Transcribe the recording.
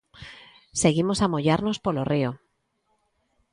Seguimos a mollarnos polo río!